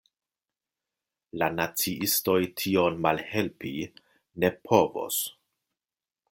La naciistoj tion malhelpi ne povos.